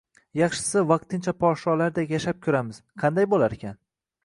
Yaxshisi, vaqtincha podsholarday yashab ko`ramiz, qanday bo`larkin